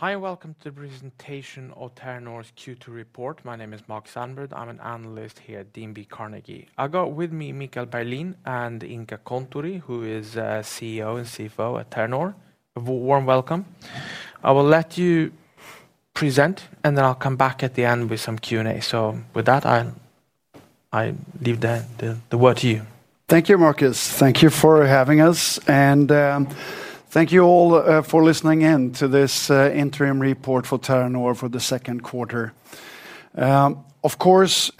Hi, and welcome to the presentation of Terranor's Q2 Report. My name is Mark Sandberg. I'm an Analyst here at DNB Carnegie. I've got with me Michael Berglin and Inka Kontturi, who is CEO and CFO at Terranor. Warm welcome. I will let you present, and then I'll come back at the end with some Q&A. With that, I'll leave the word to you. Thank you, Markus. Thank you for having us. Thank you all for listening in to this interim report for Terranor for the second quarter. Of course,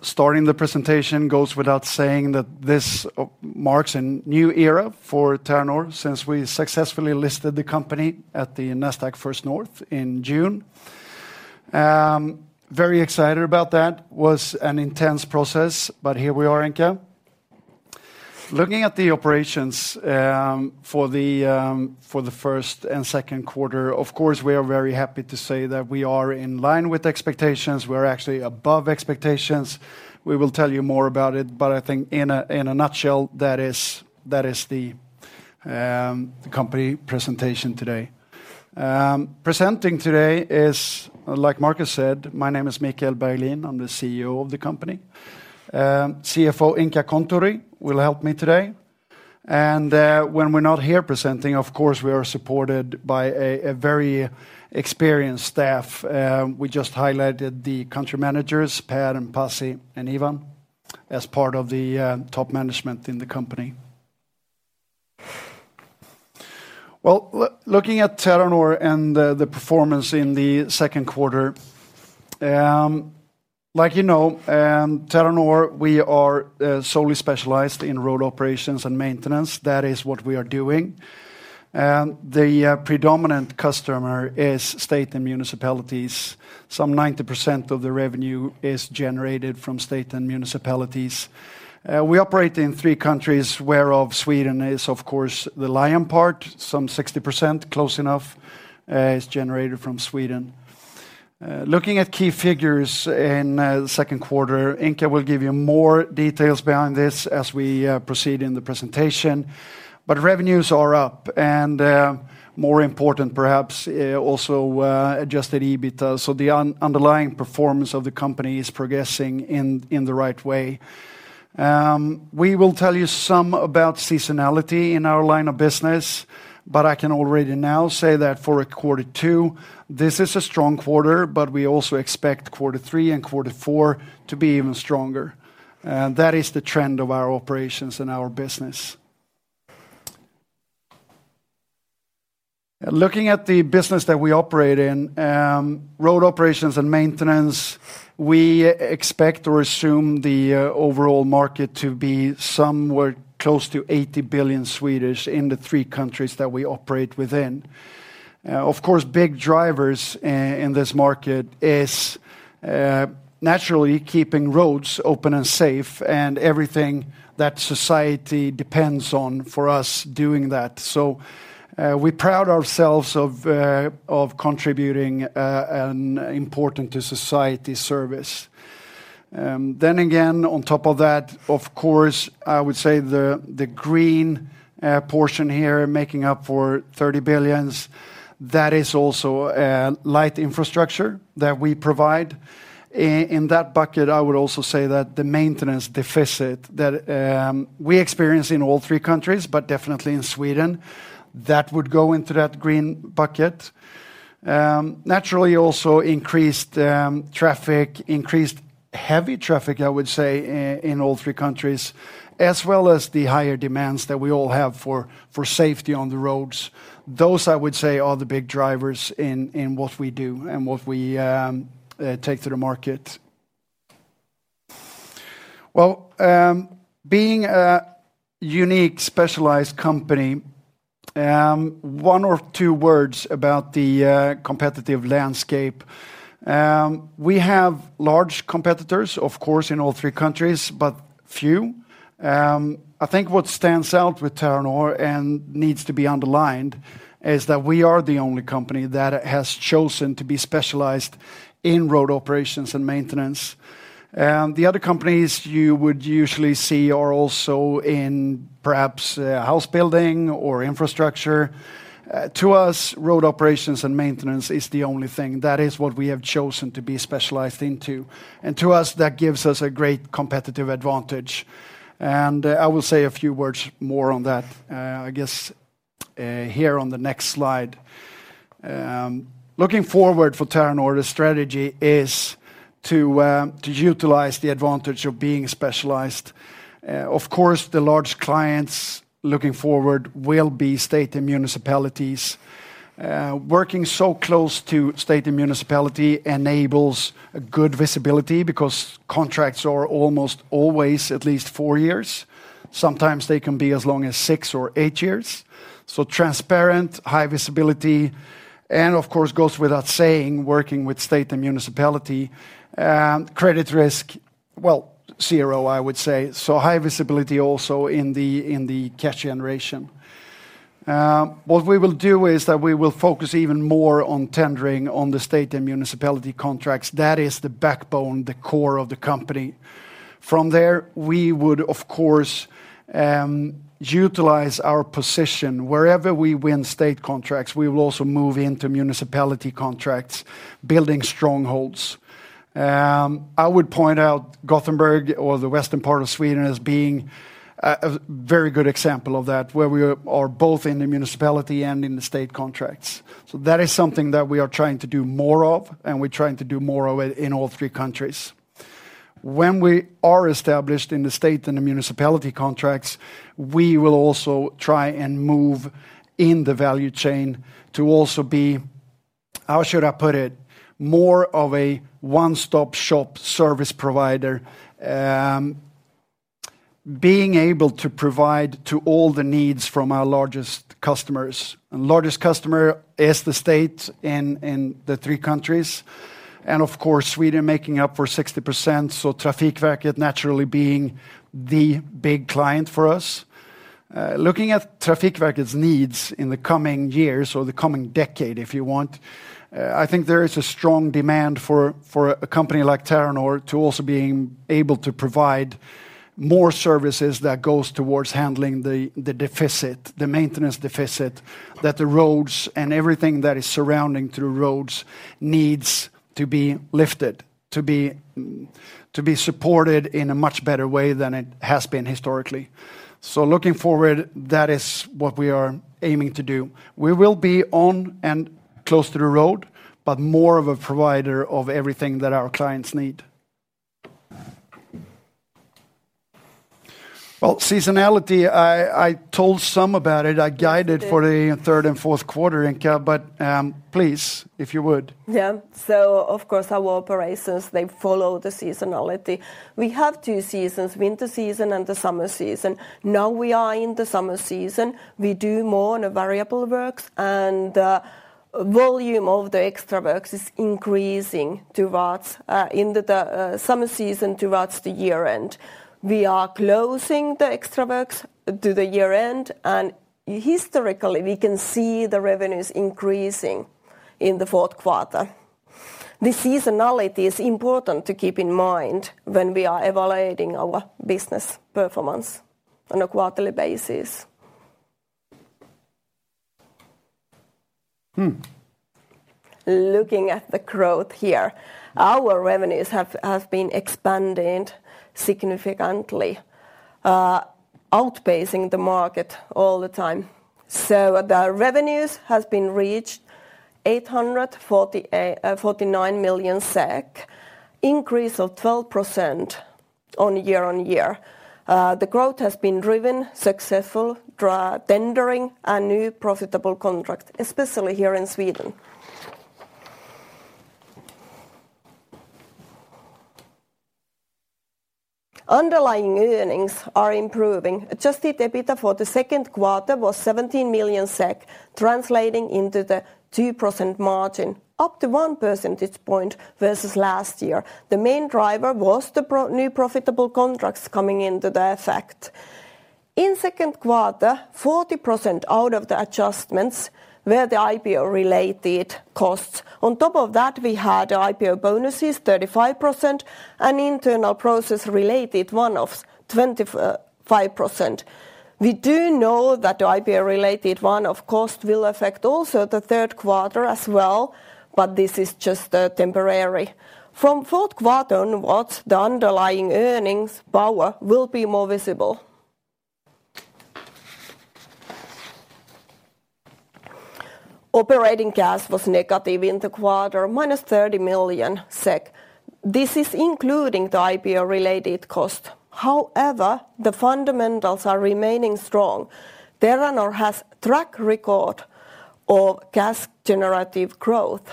starting the presentation goes without saying that this marks a new era for Terranor since we successfully listed the company at the Nasdaq First North in June. Very excited about that. It was an intense process, but here we are, Inka. Looking at the operations for the first and second quarter, of course, we are very happy to say that we are in line with expectations. We are actually above expectations. We will tell you more about it, but I think in a nutshell, that is the company presentation today. Presenting today is, like Markus said, my name is Michael Berglin. I'm the CEO of the company. CFO Inka Kontturi will help me today. When we're not here presenting, of course, we are supported by a very experienced staff. We just highlighted the Country Managers, Per, Pasi, and Ivan, as part of the top management in the company. Looking at Terranor and the performance in the second quarter, like you know, Terranor, we are solely specialized in road operations and maintenance. That is what we are doing. The predominant customer is state and municipalities. Some 90% of the revenue is generated from state and municipalities. We operate in three countries, where Sweden is, of course, the lion part. Some 60%, close enough, is generated from Sweden. Looking at key figures in the second quarter, Inka will give you more details behind this as we proceed in the presentation. Revenues are up, and more important, perhaps, also adjusted EBITDA. The underlying performance of the company is progressing in the right way. We will tell you some about seasonality in our line of business, but I can already now say that for quarter two, this is a strong quarter, but we also expect quarter three and quarter four to be even stronger. That is the trend of our operations and our business. Looking at the business that we operate in, road operations and maintenance, we expect or assume the overall market to be somewhere close to 80 billion in the three countries that we operate within. Of course, big drivers in this market are naturally keeping roads open and safe, and everything that society depends on for us doing that. We proud ourselves of contributing an important to society service. On top of that, of course, I would say the green portion here making up for 30 billion, that is also light infrastructure that we provide. In that bucket, I would also say that the maintenance deficit that we experience in all three countries, but definitely in Sweden, that would go into that green bucket. Naturally, also increased traffic, increased heavy traffic, I would say, in all three countries, as well as the higher demands that we all have for safety on the roads. Those, I would say, are the big drivers in what we do and what we take to the market. Being a unique specialized company, one or two words about the competitive landscape. We have large competitors, of course, in all three countries, but few. I think what stands out with Terranor and needs to be underlined is that we are the only company that has chosen to be specialized in road operations and maintenance. The other companies you would usually see are also in perhaps house building or infrastructure. To us, road operations and maintenance is the only thing. That is what we have chosen to be specialized into. To us, that gives us a great competitive advantage. I will say a few words more on that, I guess, here on the next slide. Looking forward for Terranor, the strategy is to utilize the advantage of being specialized. Of course, the large clients looking forward will be state and municipalities. Working so close to state and municipality enables good visibility because contracts are almost always at least four years. Sometimes they can be as long as six or eight years. Transparent, high visibility, and of course, goes without saying, working with state and municipality, credit risk, well, CRO, I would say. High visibility also in the cash generation. What we will do is that we will focus even more on tendering on the state and municipality contracts. That is the backbone, the core of the company. From there, we would, of course, utilize our position. Wherever we win state contracts, we will also move into municipality contracts, building strongholds. I would point out Gothenburg or the western part of Sweden as being a very good example of that, where we are both in the municipality and in the state contracts. That is something that we are trying to do more of, and we're trying to do more of it in all three countries. When we are established in the state and the municipality contracts, we will also try and move in the value chain to also be, how should I put it, more of a one-stop shop service provider, being able to provide to all the needs from our largest customers. The largest customer is the state in the three countries, and of course, Sweden making up for 60%. Trafikverket naturally being the big client for us. Looking at Trafikverket's needs in the coming years or the coming decade, if you want, I think there is a strong demand for a company like Terranor to also be able to provide more services that go towards handling the deficit, the maintenance deficit that the roads and everything that is surrounding through roads needs to be lifted, to be supported in a much better way than it has been historically. Looking forward, that is what we are aiming to do. We will be on and close to the road, but more of a provider of everything that our clients need. Seasonality, I told some about it. I guided for the third and fourth quarter, Inka, but please, if you would. Yeah, so of course our operations, they follow the seasonality. We have two seasons, winter season and the summer season. Now we are in the summer season. We do more on the variable works, and the volume of the extra works is increasing in the summer season towards the year-end. We are closing the extra works to the year-end, and historically we can see the revenues increasing in the fourth quarter. The seasonality is important to keep in mind when we are evaluating our business performance on a quarterly basis. Looking at the growth here, our revenues have been expanding significantly, outpacing the market all the time. The revenues have been reached 849 million SEK, increase of 12% year-on-year. The growth has been driven successfully by tendering a new profitable contract, especially here in Sweden. Underlying earnings are improving. Adjusted EBITDA for the second quarter was 17 million SEK, translating into the 2% margin, up to 1 percentage point versus last year. The main driver was the new profitable contracts coming into effect. In the second quarter, 40% out of the adjustments were the IPO-related costs. On top of that, we had IPO bonuses 35% and internal process-related one-offs 25%. We do know that the IPO-related one-off cost will affect also the third quarter as well, but this is just temporary. From the fourth quarter onwards, the underlying earnings power will be more visible. Operating cash was negative in the quarter, -30 million SEK. This is including the IPO-related costs. However, the fundamentals are remaining strong. Terranor has a track record of cash-generative growth,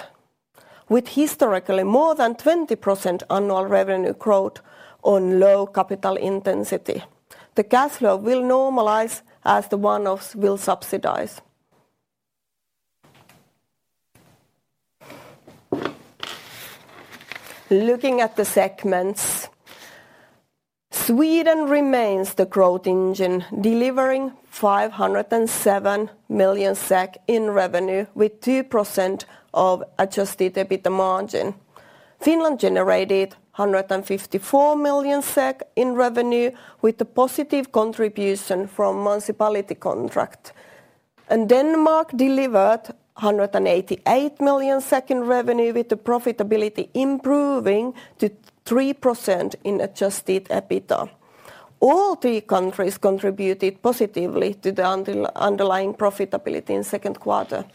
with historically more than 20% annual revenue growth on low capital intensity. The cash flow will normalize as the one-offs will subsidize. Looking at the segments, Sweden remains the growth engine, delivering 507 million SEK in revenue with 2% of adjusted EBITDA margin. Finland generated 154 million SEK in revenue with a positive contribution from the municipality contract. Denmark delivered 188 million in revenue with the profitability improving to 3% in adjusted EBITDA. All three countries contributed positively to the underlying profitability in the second quarter.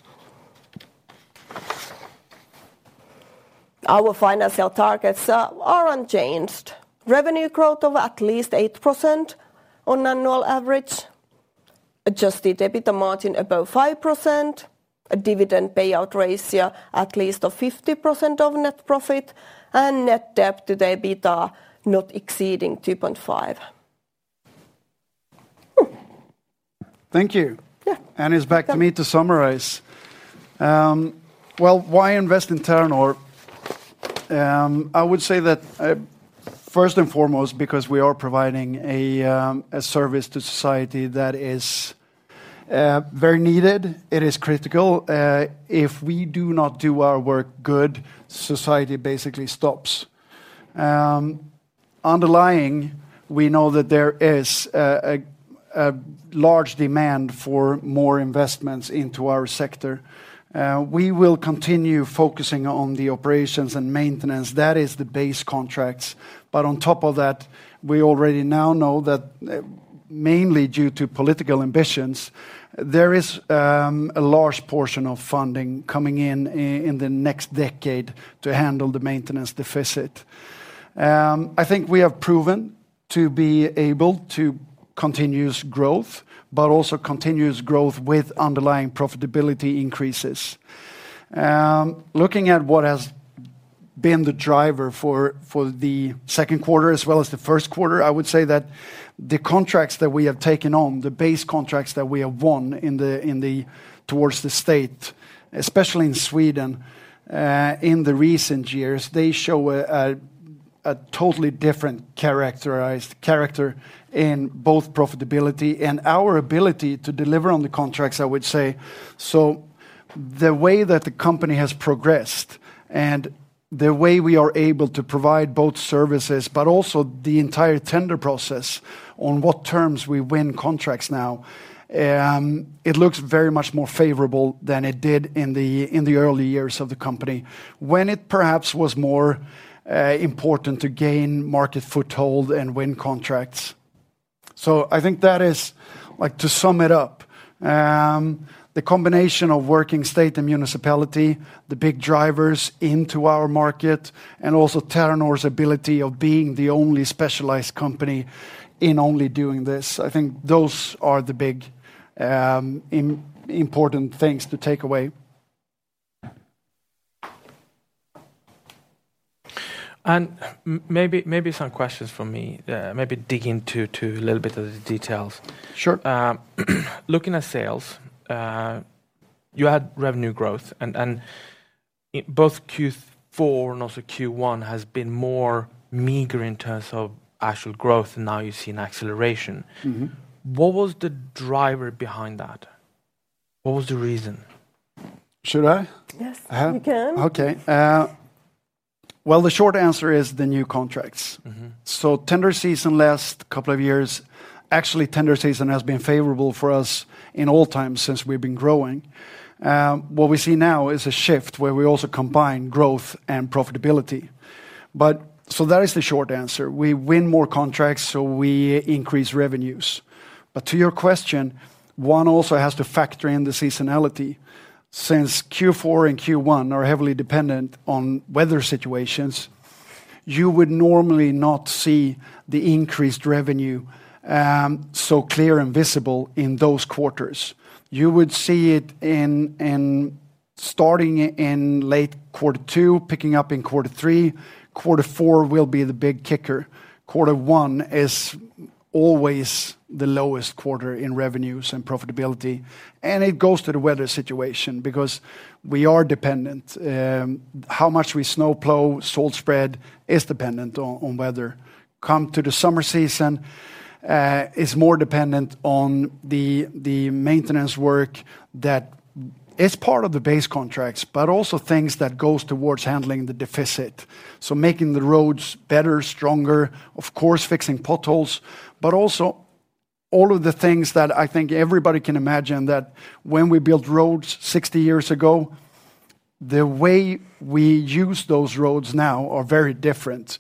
Our financial targets are unchanged. Revenue growth of at least 8% on annual average, adjusted EBITDA margin above 5%, a dividend payout ratio at least of 50% of net profit, and net debt to EBITDA not exceeding 2.5%. Thank you. It's back to me to summarize. Why invest in Terranor? I would say that first and foremost because we are providing a service to society that is very needed. It is critical. If we do not do our work good, society basically stops. Underlying, we know that there is a large demand for more investments into our sector. We will continue focusing on the operations and maintenance. That is the base contracts. On top of that, we already now know that mainly due to political ambitions, there is a large portion of funding coming in in the next decade to handle the maintenance deficit. I think we have proven to be able to continue growth, but also continuous growth with underlying profitability increases. Looking at what has been the driver for the second quarter as well as the first quarter, I would say that the contracts that we have taken on, the base contracts that we have won towards the state, especially in Sweden in the recent years, they show a totally different character in both profitability and our ability to deliver on the contracts, I would say. The way that the company has progressed and the way we are able to provide both services, but also the entire tendering process on what terms we win contracts now, it looks very much more favorable than it did in the early years of the company when it perhaps was more important to gain market foothold and win contracts. I think that is, like to sum it up, the combination of working state and municipality, the big drivers into our market, and also Terranor's ability of being the only specialized company in only doing this, I think those are the big important things to take away. I have some questions for me, maybe dig into a little bit of the details. Sure. Looking at sales, you had revenue growth, and both Q4 and also Q1 have been more meager in terms of actual growth, and now you see an acceleration. What was the driver behind that? What was the reason? Should I? Yes, you can. The short answer is the new contracts. Tender season last couple of years, actually tender season has been favorable for us in all times since we've been growing. What we see now is a shift where we also combine growth and profitability. That is the short answer. We win more contracts, so we increase revenues. To your question, one also has to factor in the seasonality. Since Q4 and Q1 are heavily dependent on weather situations, you would normally not see the increased revenue so clear and visible in those quarters. You would see it starting in late quarter two, picking up in quarter three. Quarter four will be the big kicker. Quarter one is always the lowest quarter in revenues and profitability. It goes to the weather situation because we are dependent. How much we snow plow, salt spread is dependent on weather. Come to the summer season, it's more dependent on the maintenance work that is part of the base contracts, but also things that go towards handling the deficit. Making the roads better, stronger, of course, fixing potholes, but also all of the things that I think everybody can imagine that when we built roads 60 years ago, the way we use those roads now are very different.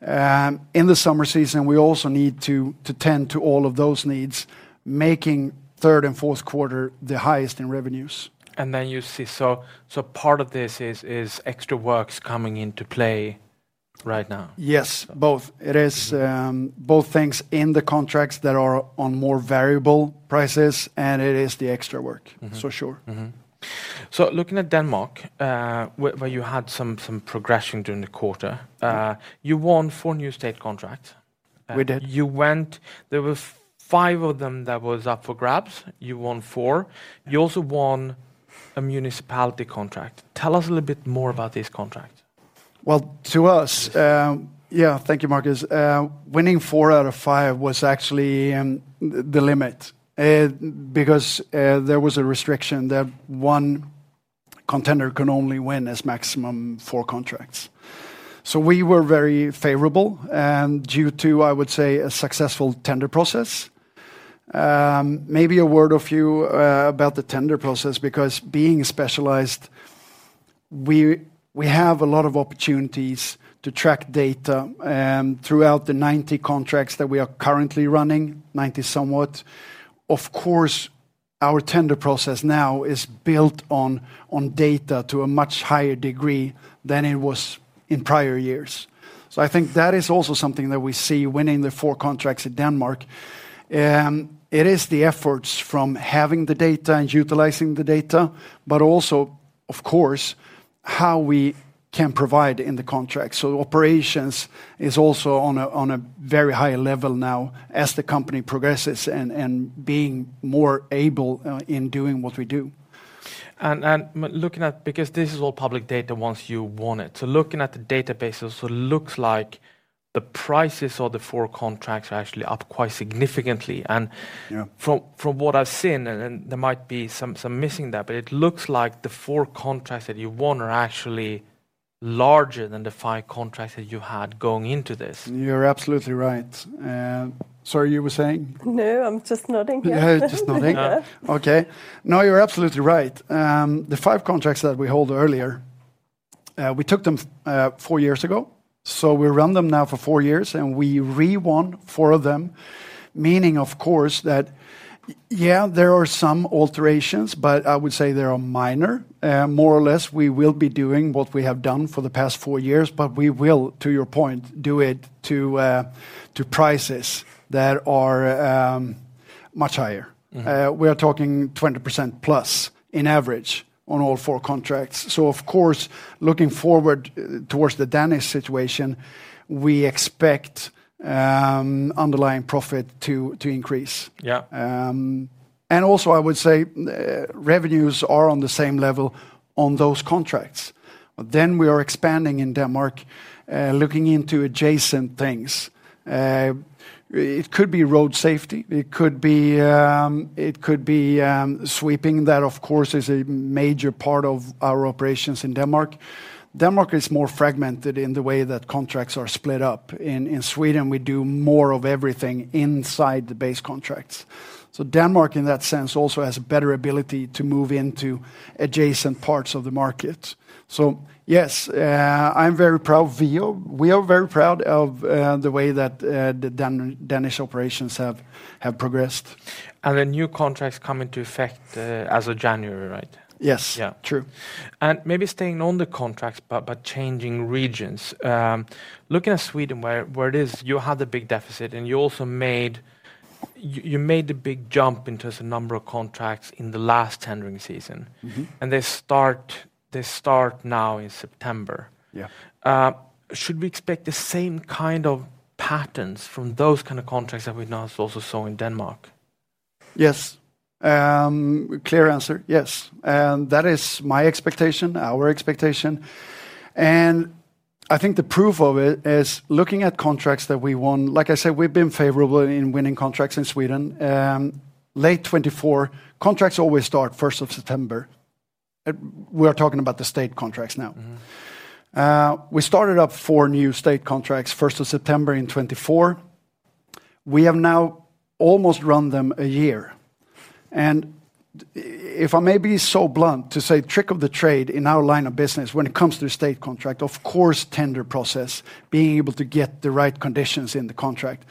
In the summer season, we also need to tend to all of those needs, making third and fourth quarter the highest in revenues. You see, part of this is extra works coming into play right now. Yes, both. It is both things in the contracts that are on more variable prices, and it is the extra work, for sure. Looking at Denmark, where you had some progression during the quarter, you won four new state contracts. We did. You went, there were five of them that were up for grabs. You won four. You also won a municipality contract. Tell us a little bit more about this contract. Thank you, Markus. Winning four out of five was actually the limit because there was a restriction that one contender could only win a maximum of four contracts. We were very favorable and due to, I would say, a successful tendering process. Maybe a word or few about the tendering process because being specialized, we have a lot of opportunities to track data throughout the 90 contracts that we are currently running, 90 somewhat. Of course, our tendering process now is built on data to a much higher degree than it was in prior years. I think that is also something that we see winning the four contracts in Denmark. It is the efforts from having the data and utilizing the data, but also, of course, how we can provide in the contracts. Operations is also on a very high level now as the company progresses and being more able in doing what we do. Looking at, because this is all public data once you want it, looking at the databases, it looks like the prices of the four contracts are actually up quite significantly. From what I've seen, and there might be some missing there, it looks like the four contracts that you won are actually larger than the five contracts that you had going into this. You're absolutely right. Sorry, you were saying? No, I'm just nodding. Yeah, I was just nodding. No, you're absolutely right. The five contracts that we held earlier, we took them four years ago. We run them now for four years and we re-won four of them, meaning, of course, that there are some alterations, but I would say they are minor. More or less, we will be doing what we have done for the past four years, but we will, to your point, do it to prices that are much higher. We are talking 20%+ in average on all four contracts. Of course, looking forward towards the Danish situation, we expect underlying profit to increase. Yeah. I would say revenues are on the same level on those contracts. We are expanding in Denmark, looking into adjacent things. It could be road safety. It could be sweeping that, of course, is a major part of our operations in Denmark. Denmark is more fragmented in the way that contracts are split up. In Sweden, we do more of everything inside the base contracts. Denmark in that sense also has a better ability to move into adjacent parts of the market. Yes, I'm very proud of VO. We are very proud of the way that the Danish operations have progressed. The new contracts come into effect as of January, right? Yes, true. Maybe staying on the contracts, but changing regions. Looking at Sweden, where it is, you had the big deficit and you also made the big jump in terms of the number of contracts in the last tendering season. They start now in September. Should we expect the same kind of patterns from those kinds of contracts that we also saw in Denmark? Yes. Clear answer, yes. That is my expectation, our expectation. I think the proof of it is looking at contracts that we won. Like I said, we've been favorable in winning contracts in Sweden. Late 2024, contracts always start 1st of September. We're talking about the state contracts now. We started up four new state contracts 1st of September in 2024. We have now almost run them a year. If I may be so blunt to say, trick of the trade in our line of business when it comes to the state contract, of course, tendering process, being able to get the right conditions in the contract.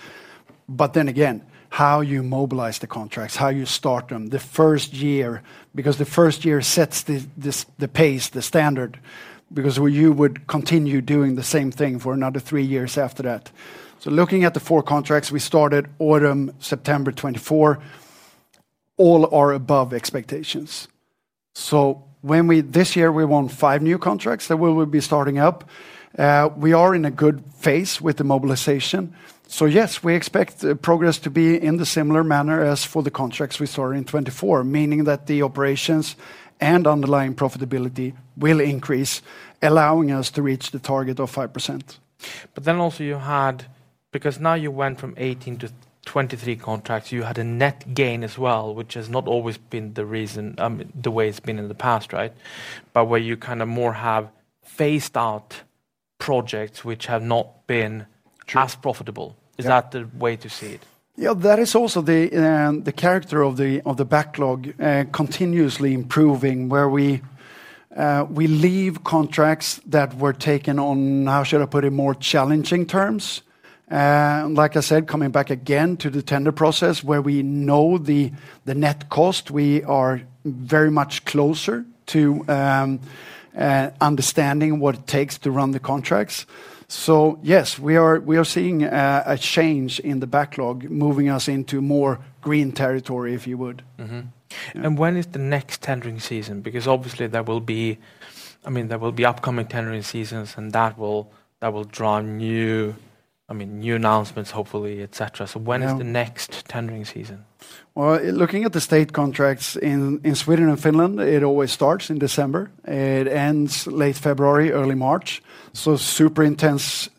Then again, how you mobilize the contracts, how you start them the first year, because the first year sets the pace, the standard, because you would continue doing the same thing for another three years after that. Looking at the four contracts we started autumn September 2024, all are above expectations. This year we won five new contracts that we will be starting up. We are in a good phase with the mobilization. Yes, we expect progress to be in the similar manner as for the contracts we started in 2024, meaning that the operations and underlying profitability will increase, allowing us to reach the target of 5%. You had, because now you went from 18 to 23 contracts, you had a net gain as well, which has not always been the reason, the way it's been in the past, right? Where you kind of more have phased out projects which have not been as profitable. Is that the way to see it? Yeah, that is also the character of the backlog continuously improving, where we leave contracts that were taken on, how should I put it, more challenging terms. Like I said, coming back again to the tendering process where we know the net cost, we are very much closer to understanding what it takes to run the contracts. Yes, we are seeing a change in the backlog, moving us into more green territory, if you would. When is the next tendering season? Obviously, there will be upcoming tendering seasons and that will draw new announcements, hopefully, etc. When is the next tendering season? Looking at the state contracts in Sweden and Finland, it always starts in December. It ends late February, early March. Super intense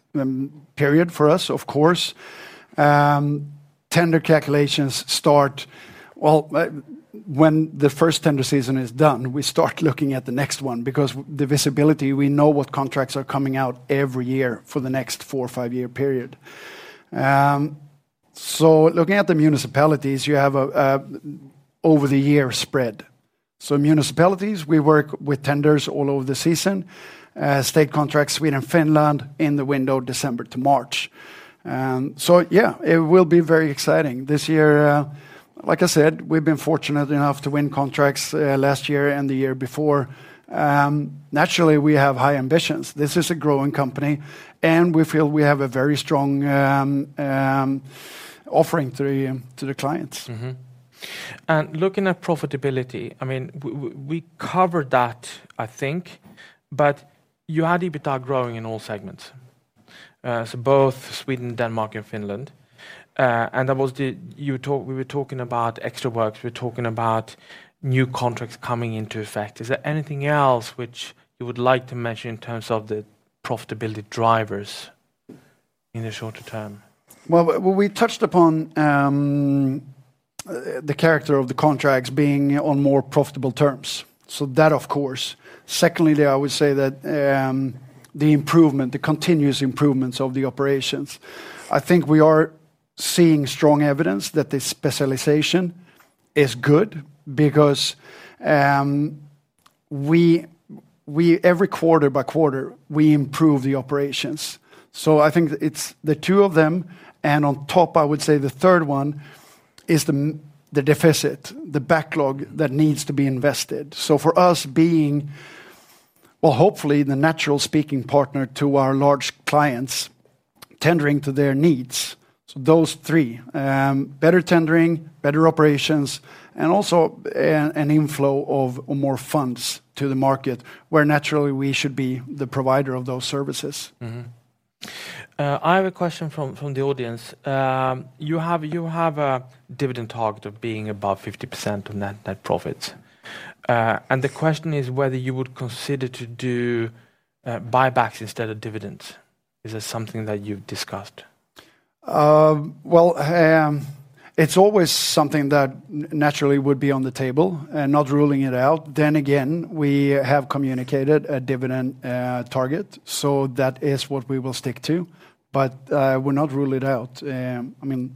period for us, of course. Tender calculations start when the first tender season is done, we start looking at the next one because the visibility, we know what contracts are coming out every year for the next four or five year period. Looking at the municipalities, you have an over-the-year spread. Municipalities, we work with tenders all over the season. State contracts, Sweden and Finland, in the window of December to March. It will be very exciting. This year, like I said, we've been fortunate enough to win contracts last year and the year before. Naturally, we have high ambitions. This is a growing company and we feel we have a very strong offering to the clients. Looking at profitability, I mean, we covered that, I think, but you had EBITDA growing in all segments. Both Sweden, Denmark, and Finland. That was, we were talking about extra works. We were talking about new contracts coming into effect. Is there anything else which you would like to mention in terms of the profitability drivers in the shorter term? We touched upon the character of the contracts being on more profitable terms. That, of course. Secondly, I would say that the improvement, the continuous improvements of the operations. I think we are seeing strong evidence that the specialization is good because we, every quarter by quarter, we improve the operations. I think it's the two of them. On top, I would say the third one is the deficit, the backlog that needs to be invested. For us being, hopefully the natural speaking partner to our large clients, tendering to their needs. Those three, better tendering, better operations, and also an inflow of more funds to the market where naturally we should be the provider of those services. I have a question from the audience. You have a dividend target of being above 50% of net profits. The question is whether you would consider to do buybacks instead of dividends. Is this something that you've discussed? It is always something that naturally would be on the table and not ruling it out. Then again, we have communicated a dividend target. That is what we will stick to, but we're not ruling it out. I mean,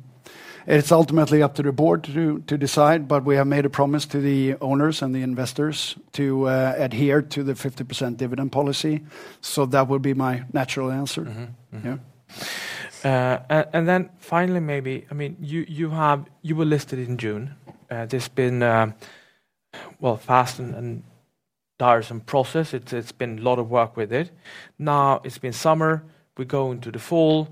it's ultimately up to the board to decide, but we have made a promise to the owners and the investors to adhere to the 50% dividend policy. That would be my natural answer. Finally, maybe, I mean, you were listed in June. There's been a fast and tiresome process. It's been a lot of work with it. Now it's been summer. We're going to the fall.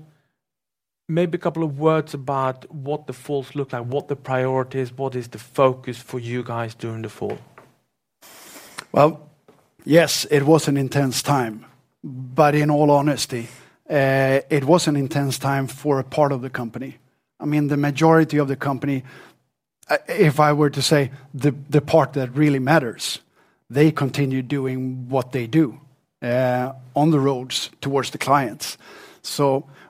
Maybe a couple of words about what the fall looks like, what the priority is, what is the focus for you guys during the fall? It was an intense time, but in all honesty, it was an intense time for a part of the company. I mean, the majority of the company, if I were to say the part that really matters, they continue doing what they do on the roads towards the clients.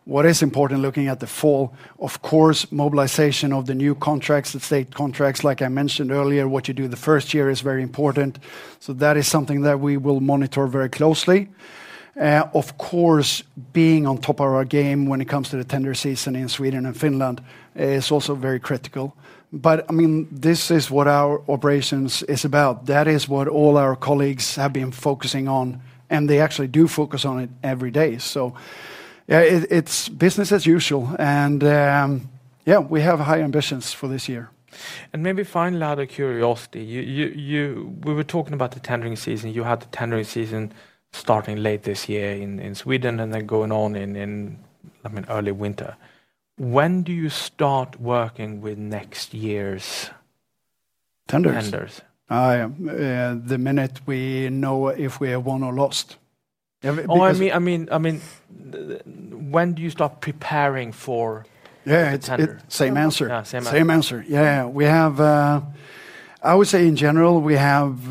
What is important looking at the fall, of course, is mobilization of the new contracts, the state contracts, like I mentioned earlier. What you do the first year is very important. That is something that we will monitor very closely. Of course, being on top of our game when it comes to the tender season in Sweden and Finland is also very critical. I mean, this is what our operations is about. That is what all our colleagues have been focusing on, and they actually do focus on it every day. It's business as usual. We have high ambitions for this year. Maybe finally, out of curiosity, we were talking about the tendering season. You had the tendering season starting late this year in Sweden and then going on in, I mean, early winter. When do you start working with next year's tenders? The minute we know if we have won or lost. When do you start preparing for tenders? I would say in general, we have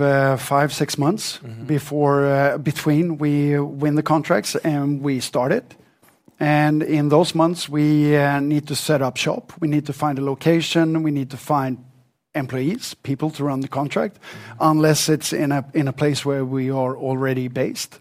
five, six months between we win the contracts and we start it. In those months, we need to set up shop. We need to find a location. We need to find employees, people to run the contract, unless it's in a place where we are already based.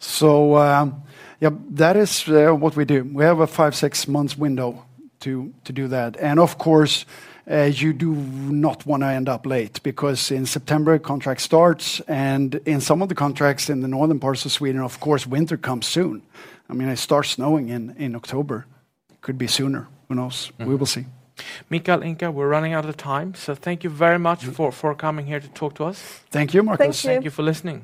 That is what we do. We have a five, six months window to do that. Of course, you do not want to end up late because in September, contract starts. In some of the contracts in the northern parts of Sweden, winter comes soon. I mean, it starts snowing in October. It could be sooner. Who knows? We will see. Michael and Inka, we're running out of time. Thank you very much for coming here to talk to us. Thank you, Markus. Thank you. Thank you for listening.